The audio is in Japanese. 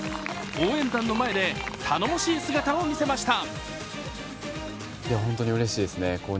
応援団の前で頼もしい姿を見せました。